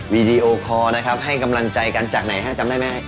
วีดีโอคอร์นะครับให้กำลังใจกันจากไหนฮะจำได้ไหม